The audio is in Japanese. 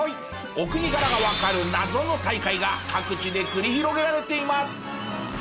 お国柄がわかる謎の大会が各地で繰り広げられています。